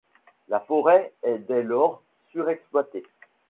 La forêt est dès lors surexploitée.